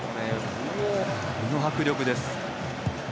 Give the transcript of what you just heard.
この迫力です。